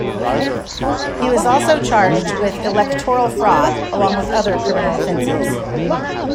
He was also charged with electoral fraud, along with other criminal offences.